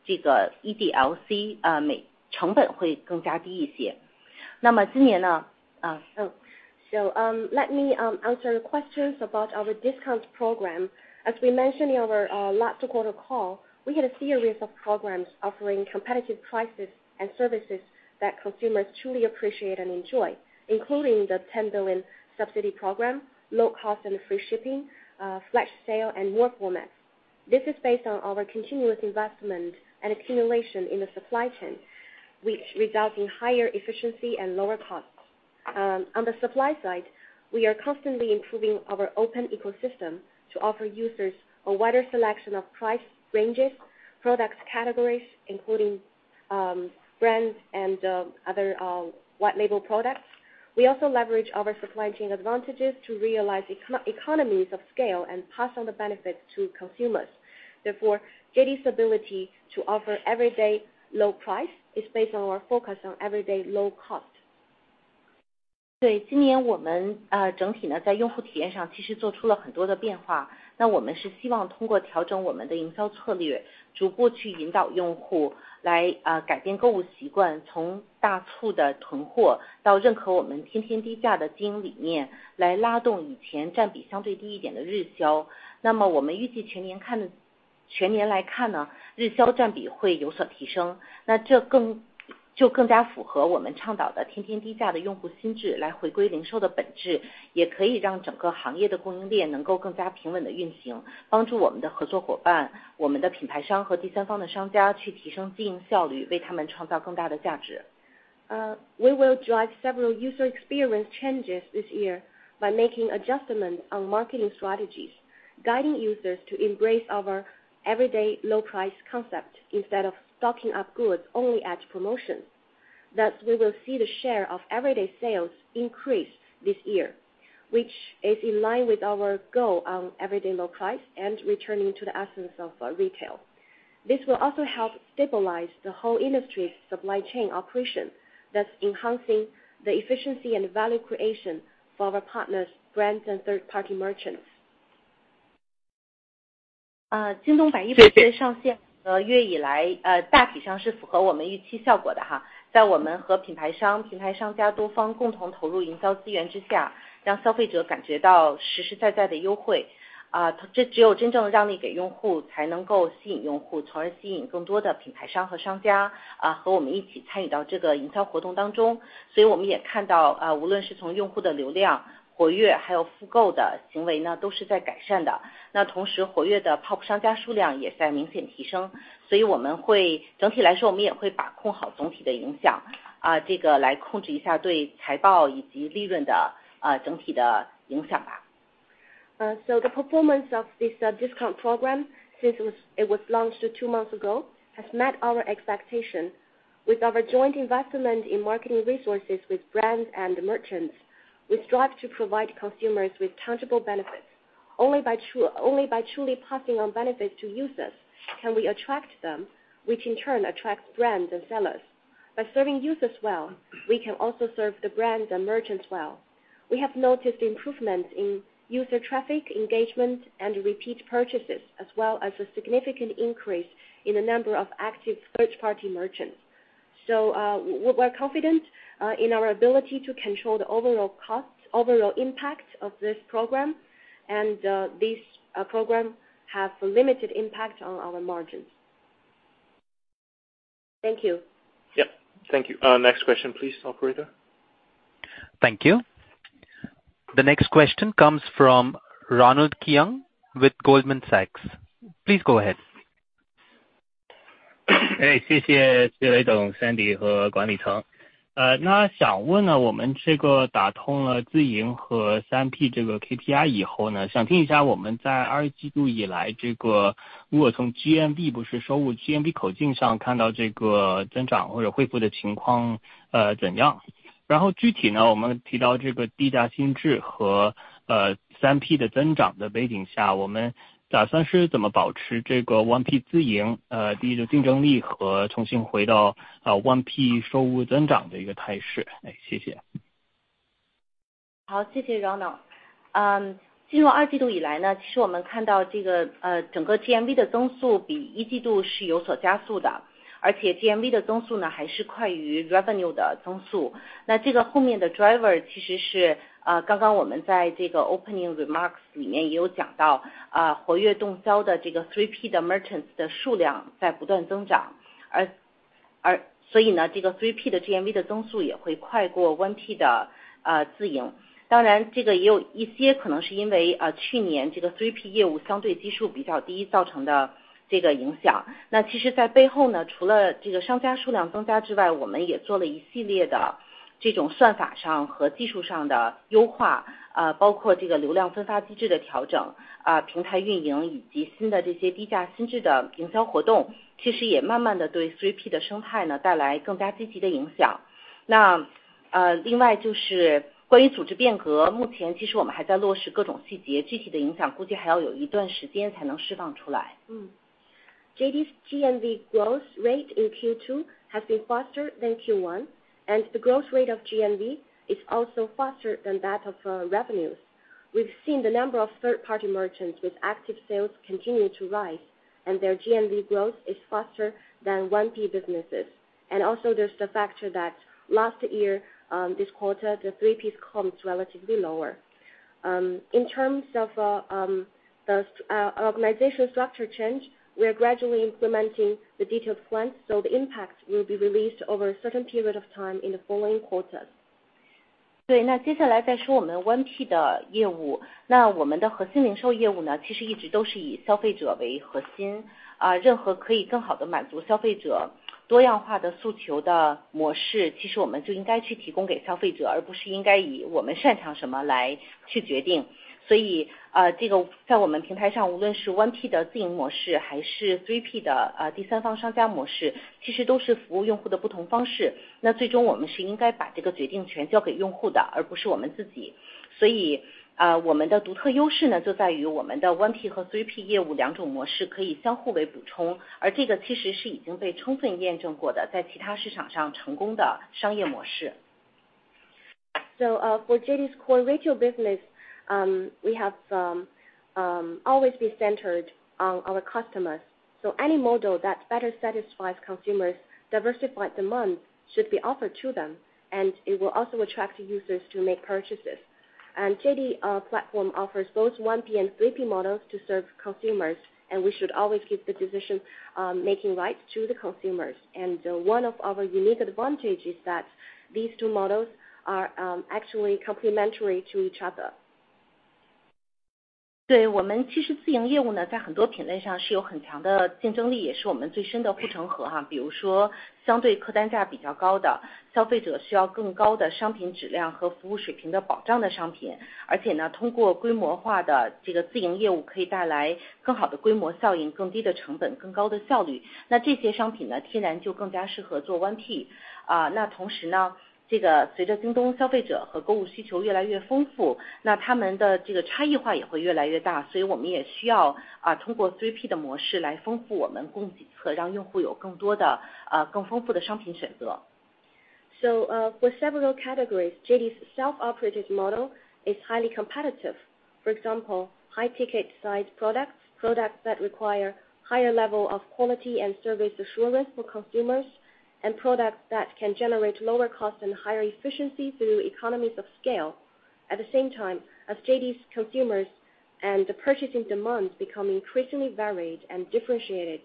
S4: EDLC，成本会更加低一些. 今年呢. Let me answer your questions about our discount program. As we mentioned in our last quarter call, we had a series of programs offering competitive prices and services that consumers truly appreciate and enjoy, including the 10 billion subsidy program, low cost and free shipping, flash sale and more formats. This is based on our continuous investment and accumulation in the supply chain, which results in higher efficiency and lower costs. On the supply side, we are constantly improving our open ecosystem to offer users a wider selection of price ranges, products categories including brands and other white label products. We also leverage our supply chain advantages to realize economies of scale and pass on the benefits to consumers. JD's ability to offer everyday low price is based on our focus on everyday low cost. 对，今年我们整体呢，在用户体验上其实做出了很多的变化，我们是希望通过调整我们的营销策略，逐步去引导用户来改变购物习惯，从大促的囤货到认可我们天天低价的经营理念，来拉动以前占比相对低一点的日销. 我们预计全年来看呢，日销占比会有所提升，就更加符合我们倡导的天天低价的用户心智，来回归零售的本质，也可以让整个行业的供应链能够更加平稳地运行，帮助我们的合作伙伴、我们的品牌商和第三方商家去提升经营效率，为他们创造更大的价值. We will drive several user experience changes this year by making adjustments on marketing strategies, guiding users to embrace our everyday low price concept instead of stocking up goods only at promotion. We will see the share of everyday sales increase this year, which is in line with our goal on everyday low price and returning to the essence of retail. This will also help stabilize the whole industry's supply chain operation, thus enhancing the efficiency and value creation for our partners, brands and third-party merchants. Uh, 以 来， 大体上是符合我们预期效果的哈。在我们和品牌 商， 品牌商家多方共同投入营销资源之 下， 让消费者感觉到实实在在的优 惠， 啊， 这只有真正让利给用户才能够吸引用 户， 从而吸引更多的品牌商和商 家， 啊， 和我们一起参与到这个营销活动当中。所以我们也看 到， 呃， 无论是从用户的流量活跃还有复购的行为 呢， 都是在改善的。那同时活跃的 POP 商家数量也在明显提 升， 所以我们会整体来 说， 我们也会把控好总体的影 响， 啊， 这个来控制一下对财报以及利润 的， 呃， 整体的影响吧。The performance of this discount program since it was launched 2 months ago has met our expectation with our joint investment in marketing resources with brands and merchants. We strive to provide consumers with tangible benefits. Only by truly passing on benefits to users can we attract them, which in turn attracts brands and sellers. By serving users well, we can also serve the brands and merchants well. We have noticed improvements in user traffic, engagement and repeat purchases, as well as a significant increase in the number of active third-party merchants. We're confident in our ability to control the overall costs, overall impact of this program, and this program have limited impact on our margins. Thank you.
S2: Yep. Thank you. Next question please, operator.
S1: Thank you. The next question comes from Ronald Keung with Goldman Sachs. Please go ahead.
S6: 谢谢谢雷总、Sandy 和管理层。呃， 那想问 呢， 我们这个打通了自营和三 P 这个 KPI 以后 呢， 想听一下我们在二季度以 来， 这个如果从 GMV， 不是收入 ，GMV 口径上看到这个增长或者恢复的情 况， 呃， 怎 样？ 然后具体 呢， 我们提到这个低价新智 和， 呃， 三 P 的增长的背景 下， 我们打算是怎么保持这个一 P 自 营， 呃， 第一个竞争力和重新回 到， 呃， 一 P 收入增长的一个态势。哎， 谢谢。
S4: 好，谢谢 Ronald。进入 Q2 以来 呢，其实 我们看到 这个，整个 GMV 的增速比 Q1 是有所加速 的，而且 GMV 的增速呢还是快于 revenue 的增速。这个后面的 driver 其实 是，刚刚 我们在这个 opening remarks 里面也有讲 到，活跃动销 的这个 3P 的 merchants 的数量在不断 增长，所以 呢，这个 3P 的 GMV 的增速也会快过 1P 的，自营。当然 这个也有一些可能是 因为，去年 这个 3P 业务相对基数比较低造成的这个影响。其实在背后 呢，除了 这个商家数量增加之 外，我们 也做了一系列的这种算法上和技术上的 优化，包括 这个流量分发机制的 调整，平台 运营以及新的这些低价新智的 营销活动，其实 也慢慢地对 3P 的生态 呢，带来 更加积极的影响。另外就是关于 组织变革，目前 其实我们还在落实各种 细节，具体 的影响估计还要有一段时间才能释放出来。JD's GMV growth rate in Q2 has been faster than Q1. The growth rate of GMV is also faster than that of our revenues. We've seen the number of third-party merchants with active sales continue to rise, and their GMV growth is faster than 1P businesses. Also there's the factor that last year, this quarter, the 3P comp is relatively lower. In terms of the organizational structure change, we are gradually implementing the detailed plans. The impact will be released over a certain period of time in the following quarters. 接下来再说我们 1P 的业 务， 我们的核心零售业务 呢， 其实一直都是以消费者为核 心， 任何可以更好地满足消费者多样化的诉求的模 式， 其实我们就应该去提供给消费 者， 而不是应该以我们擅长什么来去决定。这个在我们平台 上， 无论是 1P 的自营模 式， 还是 3P 的第三方商家模 式， 其实都是服务用户的不同方 式， 最终我们是应该把这个决定权交给用户 的， 而不是我们自己。我们的独特优势 呢， 就在于我们的 1P 和 3P 业务两种模式可以相互为补 充， 而这个其实是已经被充分验证过 的， 在其他市场上成功的商业模式。For JD's core retail business, we have always been centered on our customers. Any model that better satisfies consumers' diversified demand should be offered to them, and it will also attract users to make purchases. JD platform offers both 1P and 3P models to serve consumers, and we should always give the decision making rights to the consumers. One of our unique advantage is that these two models are actually complementary to each other. 对我们其实自营业务 呢， 在很多品类上是有很强的竞争 力， 也是我们最深的护城河。比如说相对客单价比较高的消费者需要更高的商品质量和服务水平的保障的商 品， 而且 呢， 通过规模化的这个自营业务可以带来更好的规模效 应， 更低的成 本， 更高的效 率， 那这些商品 呢， 天然就更加适合做 1P。那同时呢，这个随着京东消费者和购物需求越来越丰 富， 那他们的这个差异化也会越来越 大， 所以我们也需要通过 3P 的模式来丰富我们供 给， 和让用户有更多的更丰富的商品选择。For several categories, JD self-operated model is highly competitive. For example high ticket size products that require higher level of quality and service assurance for consumers and products that can generate lower cost and higher efficiency through economies of scale. At the same time, as JD's consumers and the purchasing demands become increasingly varied and differentiated.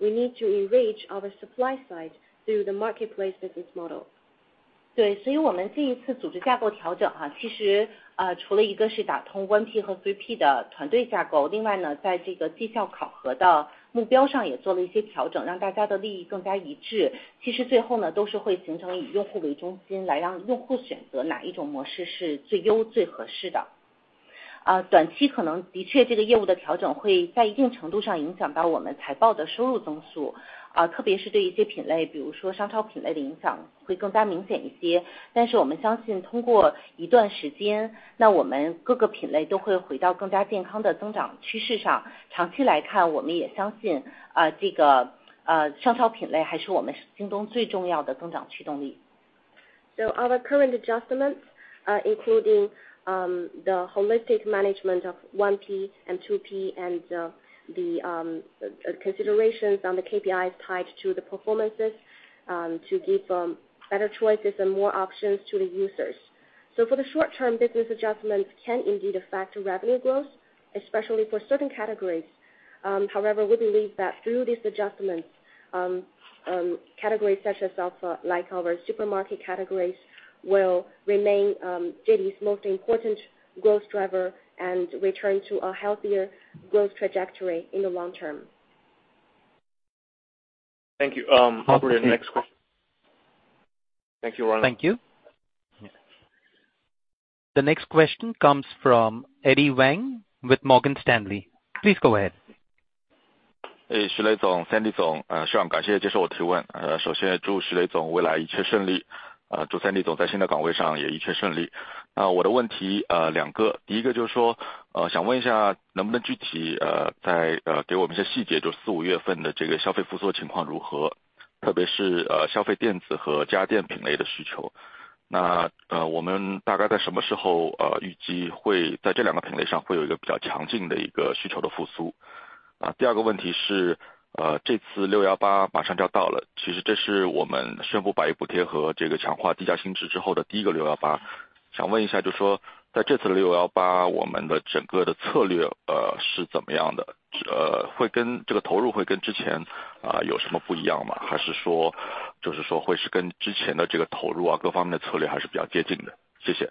S4: We need to enrich our supply side through the marketplace business model. 对，我们这一次组织架构调整，其实除了一个是打通 1P 和 3P 的团队架构，另外呢，在这个绩效考核的目标上也做了一些调整，让大家的利益更加一致。其实最后呢，都是会形成以用户为中心，来让用户选择哪一种模式是最优，最合适的。短期可能的确这个业务的调整会在一定程度上影响到我们财报的收入增速，特别是对一些品类，比如说商超品类的影响会更加明显一些。我们相信通过一段时间，我们各个品类都会回到更加健康的增长趋势上。长期来看，我们也相信，这个商超品类还是我们京东最重要的增长驱动力。Our current adjustments are including the holistic management of 1P and 2P and the considerations on the KPIs tied to the performances to give them better choices and more options to the users. For the short term business adjustments can indeed affect the revenue growth, especially for certain categories. However, we believe that through this adjustments categories such as our supermarket categories will remain JD's most important growth driver and return to a healthier growth trajectory in the long term. Thank you. operator next.
S1: Thank you.
S4: Thank you Ronald.
S1: Thank you. The next question comes from Eddy Wang with Morgan Stanley. Please go ahead.
S7: 诶许雷总 ，Sandy 总， 呃， 非常感谢接受我提问。呃首先祝许雷总未来一切顺 利， 呃， 祝 Sandy 总在新的岗位上也一切顺利。那我的问 题， 呃， 两 个， 第一个就是 说， 呃， 想问一下能不能具体 呃， 再给我们一些细 节， 就是四五月份的这个消费复苏情况如 何， 特别是 呃， 消费电子和家电品类的需求。那 呃， 我们大概在什么时候 呃， 预计会在这两个品类上会有一个比较强劲的一个需求的复苏。啊， 第二个问题 是， 呃， 这次618马上就要到 了， 其实这是我们宣布白衣补贴和这个强化低价新知之后的第一个 618。想问一 下， 就说在这次的 618， 我们的整个的策略 呃， 是怎么样 的， 呃， 会跟这个投入会跟之前啊有什么不一样 吗？ 还是 说， 就是说会是跟之前的这个投入 啊， 各方面的策略还是比较接近 的？ 谢谢。
S3: Okay,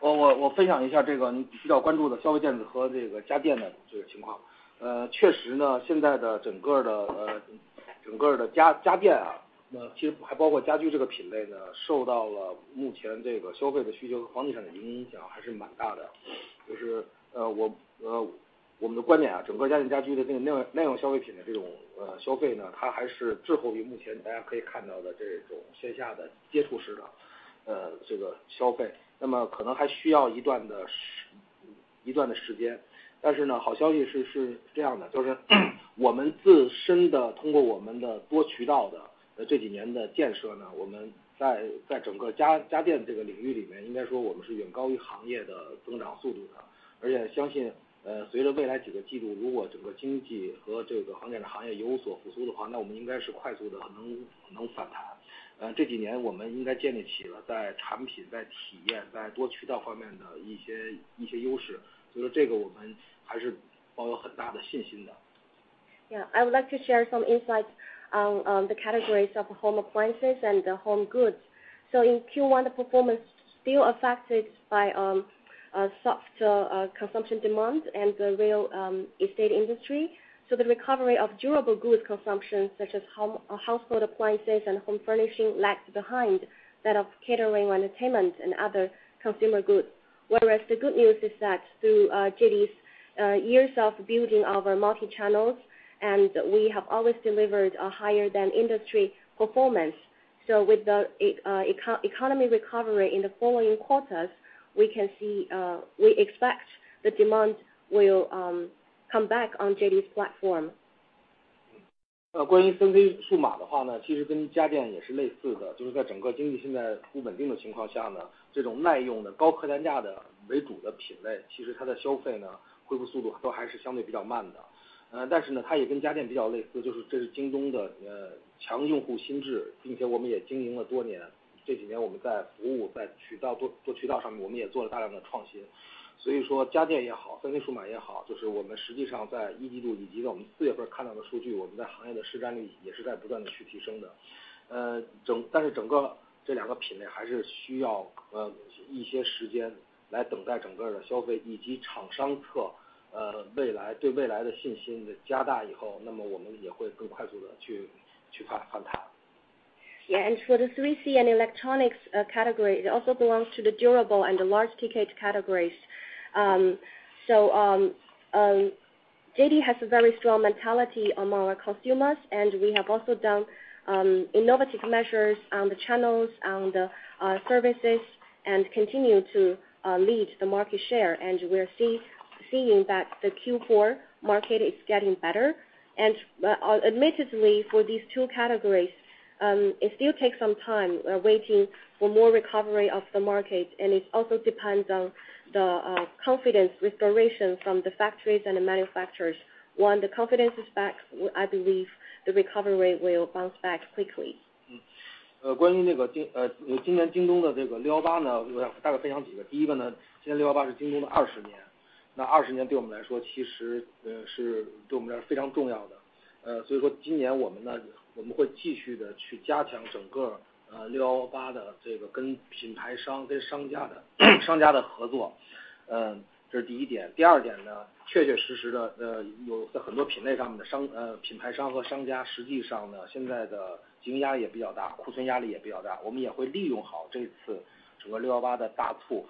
S3: 我分享一下这个你比较关注的消费电子和这个家电的这个情 况. 确实 呢， 现在的整个的家 电， 那其实还包括家具这个品类 呢， 受到了目前这个消费的需求和房地产的影响还是蛮大 的. 就是我们的观 点， 整个家电家居的这个那样消费品的这种消费 呢， 它还是滞后于目前大家可以看到的这种线下的接触式的消费，那么可能还需要一段的时 间. 好消息是这样 的， 就是我们自身的通过我们的多渠道的这几年的建设 呢， 我们在整个家电这个领域里 面， 应该说我们是远高于行业的增长速度 的. 相 信， 随着未来几个季 度， 如果整个经济和这个相关的行业有所复苏的 话， 那我们应该是快速的能反 弹. 这几年我们应该建立起了在产 品， 在体 验， 在多渠道方面的一些优 势， 所以说这个我们还是抱有很大的信心 的.
S4: I would like to share some insights on the categories of home appliances and home goods. In Q1, the performance still affected by a soft consumption demand and the real estate industry. The recovery of durable goods consumption, such as home household appliances and home furnishing lags behind that of catering, entertainment and other consumer goods. The good news is that through JD's years of building our multi channels, and we have always delivered a higher than industry performance. With the eco-economy recovery in the following quarters, we can see we expect the demand will come back on JD's platform.
S3: 关于 3C 数码的话 呢, 其实跟家电也是类似 的, 就是在整个经济现在不稳定的情况下 呢, 这种耐用的高客单价的为主的品 类, 其实它的消费 呢, 恢复速度都还是相对比较慢 的. 但是 呢, 它也跟家电比较类 似, 就是这是京东的强用户心 智, 并且我们也经营了多 年, 这几年我们在服 务, 在多渠道上面我们也做了大量的创 新. 家电也 好, 3C 数码也 好, 就是我们实际上在1季度以及到我们4月份看到的数 据, 我们在行业的市占率也是在不断的去提升 的. 整个这两个品类还是需要一些时间来等待整个的消费以及厂商 侧, 未来对未来的信心的加大以 后, 那么我们也会更快速的去翻 盘. For the 3C and electronics category, it also belongs to the durable and the large ticket categories. JD has a very strong mentality among our consumers, and we have also done innovative measures on the channels, on the services and continue to lead the market share. We are seeing that the Q4 market is getting better. Admittedly, for these two categories, it still takes some time waiting for more recovery of the market, and it also depends on the confidence restoration from the factories and the manufacturers. Once the confidence is back, I believe the recovery rate will bounce back quickly. 关于今年京东的这个618 呢， 我大概分享几个。第一个 呢， 今年618是京东的20 年。那20年对我们来说其实是对我们来说非常重要的。今年我们 呢， 我们会继续地去加强整个618的这个跟品牌 商， 跟商家的合作。这是第一点。第二点 呢， 确确实实的有在很多品类上面的品牌商和商 家， 实际上 呢， 现在的经营压力也比较 大， 库存压力也比较大。我们也会利用好这次整个618的大促。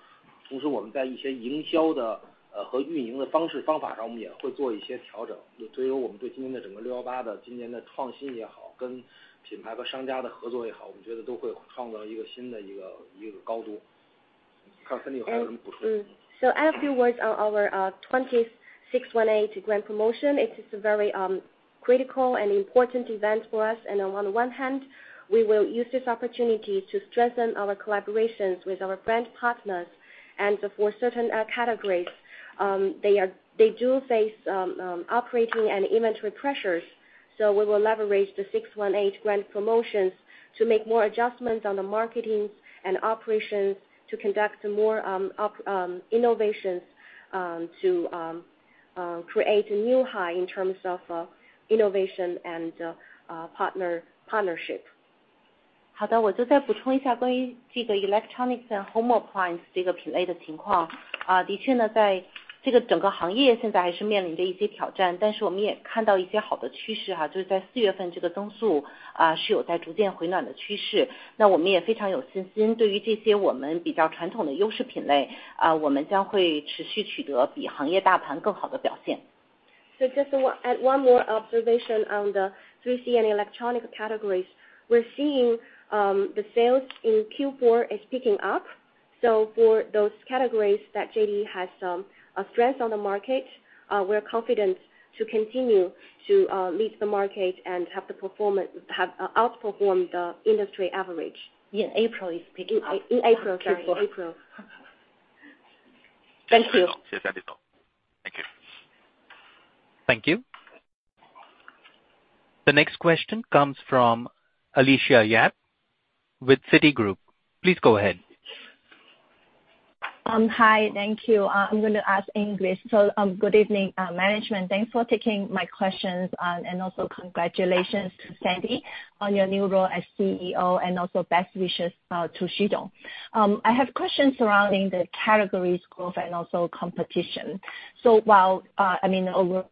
S3: 我们在一些营销的和运营的方式方法上我们也会做一些调整。我们对今年的整个618的今年的创新也 好， 跟品牌和商家的合作也 好， 我们觉得都会创造一个新的高度。看 Sandy 还有什么补充。
S4: I have a few words on our 20th 618 grand promotion. It is a very critical and important event for us. On one hand, we will use this opportunity to strengthen our collaborations with our brand partners. For certain categories, they do face operating and inventory pressures. We will leverage the 618 grand promotions to make more adjustments on the marketing and operations to conduct more innovations to create a new high in terms of innovation and partner-partnership. 好 的， 我就再补充一 下， 关于这个 electronics and home appliance 这个品类的情况。啊， 的确 呢， 在这个整个行业现在还是面临着一些挑 战， 但是我们也看到一些好的趋势 哈， 就是在四月份这个增 速， 啊， 是有在逐渐回暖的趋 势， 那我们也非常有信 心， 对于这些我们比较传统的优势品 类， 啊， 我们将会持续取得比行业大盘更好的表现。Just add one more observation on the 3C and electronic categories. We're seeing the sales in Q4 is picking up. For those categories that JD has some strength on the market, we're confident to continue to lead the market and have outperform the industry average. Yeah, April is picking up. In April, sorry, April. Thank you.
S3: 谢谢 Sandy. Thank you.
S1: Thank you. The next question comes from Alicia Yap with Citigroup. Please go ahead.
S8: Hi, thank you. I'm gonna ask English. Good evening, management. Thanks for taking my questions, and also congratulations to Sandy on your new role as CEO and also best wishes to Xido. I have questions surrounding the categories growth and also competition. While, I mean, over,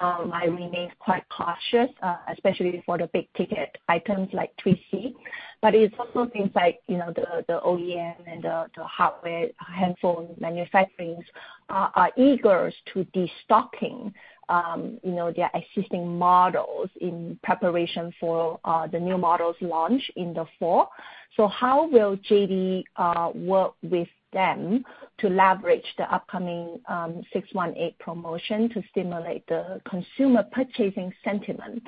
S8: I remain quite cautious, especially for the big ticket items like 3C, but it's also things like, you know, the OEM and the hardware, handful manufacturings are eager to destocking, you know, their existing models in preparation for the new models launch in the fall. How will JD work with them to leverage the upcoming 618 promotion to stimulate the consumer purchasing sentiment?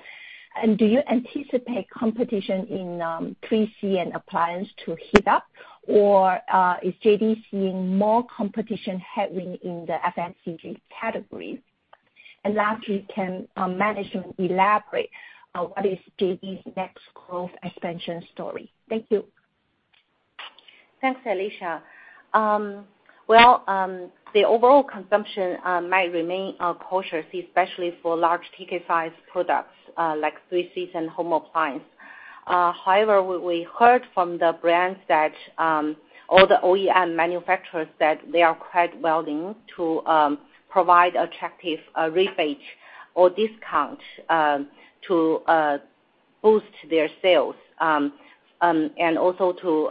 S8: Do you anticipate competition in 3C and appliance to heat up or is JD seeing more competition happening in the FMCG categories? lastly, can management elaborate, what is JD's next growth expansion story? Thank you.
S4: Thanks, Alicia. The overall consumption might remain cautious, especially for large ticket size products, like 3Cs and home appliance. However, we heard from the brands that all the OEM manufacturers that they are quite willing to provide attractive rebates or discounts to boost their sales and also to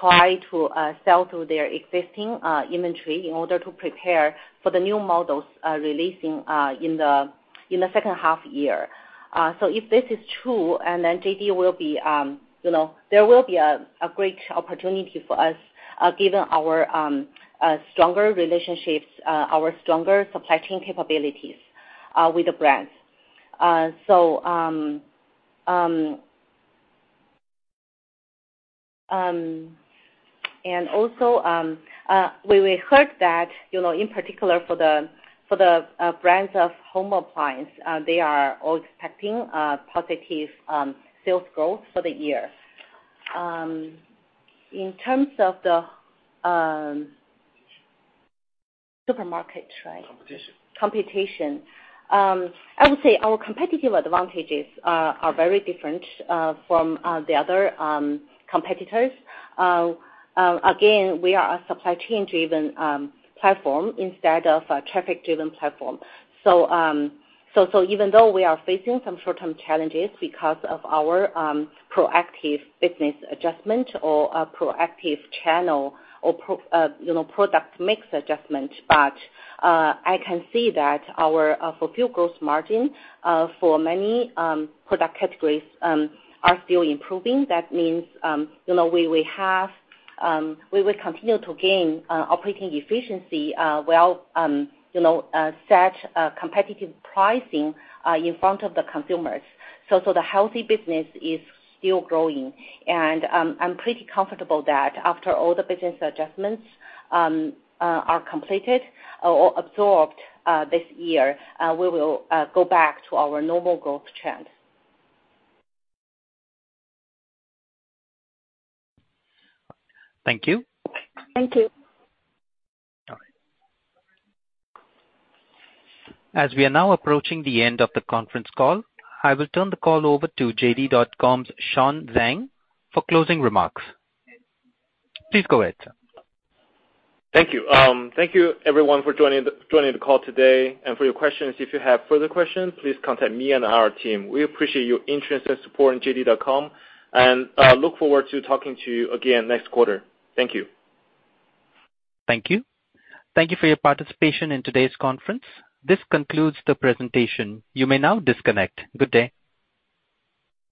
S4: try to sell through their existing inventory in order to prepare for the new models releasing in the second half year. If this is true, JD will be, you know, there will be a great opportunity for us, given our stronger relationships, our stronger supply chain capabilities with the brands. We heard that, you know, in particular for the brands of home appliance, they are all expecting positive sales growth for the year. In terms of the supermarket, right?
S1: Competition. Competition. I would say our competitive advantages are very different from the other competitors. Again, we are a supply chain driven platform instead of a traffic driven platform. Even though we are facing some short-term challenges because of our proactive business adjustment or a proactive channel or you know, product mix adjustment, I can see that our fulfilled gross margin for many product categories are still improving. That means, you know, we have. We will continue to gain operating efficiency while, you know, set competitive pricing in front of the consumers.
S4: The healthy business is still growing and I'm pretty comfortable that after all the business adjustments are completed or absorbed, this year, we will go back to our normal growth trend.
S1: Thank you.
S4: Thank you.
S1: All right. As we are now approaching the end of the conference call, I will turn the call over to JD.com's Sean Zhang for closing remarks. Please go ahead, sir.
S2: Thank you. Thank you everyone for joining the call today and for your questions. If you have further questions, please contact me and our team. We appreciate your interest and support in JD.com, and look forward to talking to you again next quarter. Thank you.
S1: Thank you. Thank you for your participation in today's conference. This concludes the presentation. You may now disconnect. Good day.